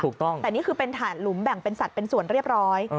ถูกต้องแต่นี่คือเป็นถ่านหลุมแบ่งเป็นสัตว์เป็นส่วนเรียบร้อย